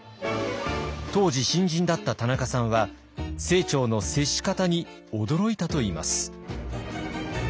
当時新人だった田中さんは清張の接し方に驚いたといいます。